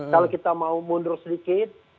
kalau kita mau mundur sedikit